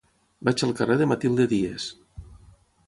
Vaig al carrer de Matilde Díez.